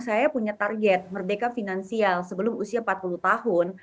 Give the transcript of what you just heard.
saya punya target merdeka finansial sebelum usia empat puluh tahun